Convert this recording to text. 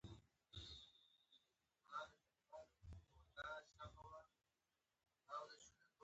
د بېوزلۍ او بډاینې په اړه دغه لیدلوری جذابیت لري.